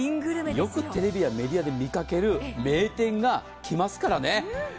よくテレビやメディアで見かける名店が出ますからね。